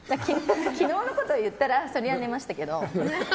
昨日のことを言ったらそりゃ寝ましたけど。